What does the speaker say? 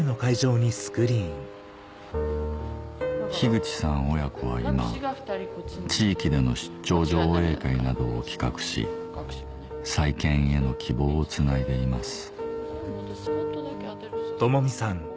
口さん親子は今地域での出張上映会などを企画し再建への希望をつないでいます